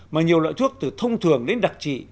mà nhiều loại thuốc từ thông thường đến đặc trị